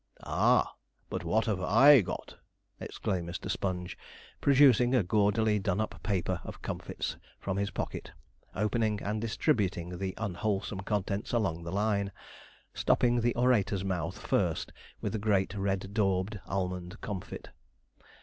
'Ah, but what have I got!' exclaimed Mr. Sponge, producing a gaudily done up paper of comfits from his pocket, opening and distributing the unwholesome contents along the line, stopping the orator's mouth first with a great, red daubed, almond comfit.